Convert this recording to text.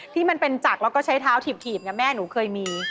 ที่มันเป็นจักรแล้วก็ใช้เท้าถีบแม่หนูเคยมี